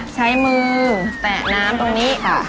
ใช้มือแตะน้ำตรงนี้